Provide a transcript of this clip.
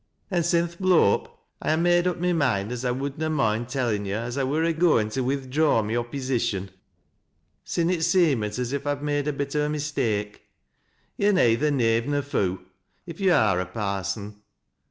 An' sin' th' blow up, I ha made up my moind as I would na moind tellin' yo' as I wur agoin' to wi'draw my oppysition, sin' it seemit aa if I'd made a bit o' a mistake. To're ney^ ther knave nor foo', if yo' are a parson.